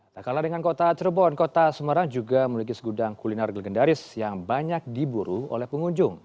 tak kalah dengan kota cirebon kota semarang juga memiliki segudang kuliner legendaris yang banyak diburu oleh pengunjung